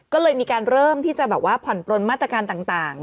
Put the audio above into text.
ก็เลยมีการเริ่มที่จะแบบว่าผ่อนปลนมาตรการต่าง